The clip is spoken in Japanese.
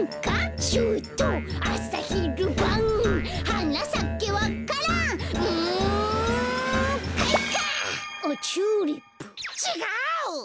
ちっがう！